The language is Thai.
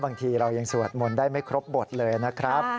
บางทีเรายังสวดมนต์ได้ไม่ครบบทเลยนะครับ